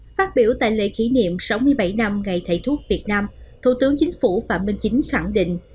phát biểu tại lễ kỷ niệm sáu mươi bảy năm ngày thầy thuốc việt nam thủ tướng chính phủ phạm minh chính khẳng định